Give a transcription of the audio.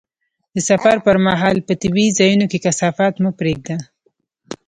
د سفر پر مهال په طبیعي ځایونو کې کثافات مه پرېږده.